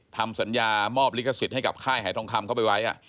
ทำสัญญามอบลิขสิทธิ์ให้กับค่ายหายทองคำเข้าไปไว้